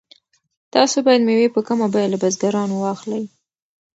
تاسو باید مېوې په کمه بیه له بزګرانو واخلئ.